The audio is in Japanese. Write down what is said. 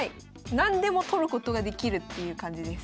何でも取ることができるっていう感じです。